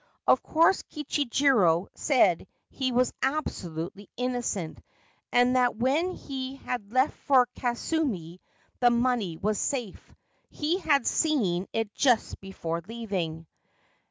Of course Kichijiro said he was absolutely innocent, and that when he had left for Kasumi the money was safe — he had seen it just before leaving.